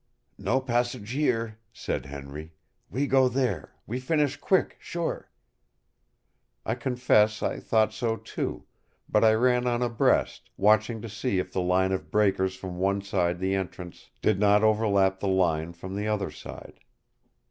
"No passage, there," said Henry. "We go there, we finish quick, sure." I confess I thought so, too; but I ran on abreast, watching to see if the line of breakers from one side the entrance did not overlap the line from the other side.